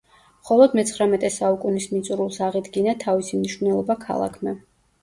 მხოლოდ მეცხრამეტე საუკუნის მიწურულს აღიდგინა თავისი მნიშვნელობა ქალაქმა.